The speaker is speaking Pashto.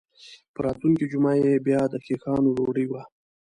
په راتلونکې جمعه یې بیا د خیښانو ډوډۍ وه.